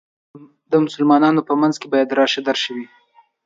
د مسلمانانو په منځ کې باید راشه درشه وي.